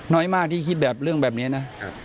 น้อยมากที่คิดแบบเรื่องแบบนี้นะ